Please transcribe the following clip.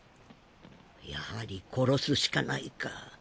やはり殺すしかないか。